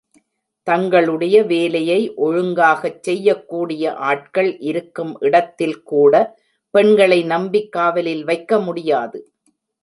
தங்களுடைய வேலையை ஒழுங்காகச் செய்யக்கூடிய ஆட்கள் இருக்கும் இடத்தில் கூட, பெண்களை நம்பிக் காவலில் வைக்க முடியாது.